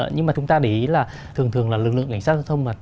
nhưng mà chúng ta để ý là thường thường là lực lượng cảnh sát giao thông